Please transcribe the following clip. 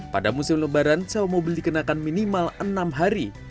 pada musim lebaran sewa mobil dikenakan minimal enam hari